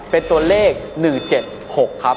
เป็นตัวเลข๑๗๖ครับ